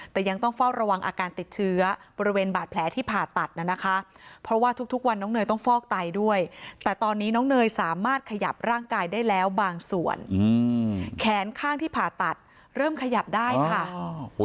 ขยับร่างกายได้แล้วบางส่วนแขนข้างที่ผ่าตัดเริ่มขยับได้ค่ะ